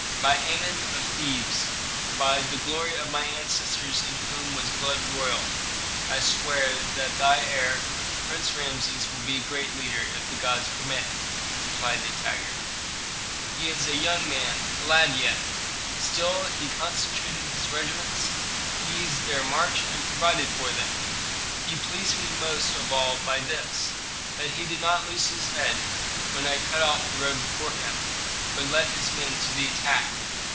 "By Amon of Thebes, by the glory of my ancestors in whom was blood royal, I swear that thy heir, Prince Rameses, will be a great leader, if the gods permit," replied Nitager. "He is a young man, a lad yet; still he concentrated his regiments, eased their march, and provided for them. He pleased me most of all by this, that he did not lose his head when I cut off the road before him, but led his men to the attack.